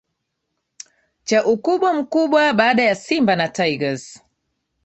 cha ukubwa mkubwa baada ya simba na tigers